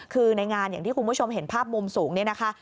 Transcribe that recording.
คือในงานอย่างที่คุณผู้ชมเห็นภาพมุมสูงเนี่ยนะคะ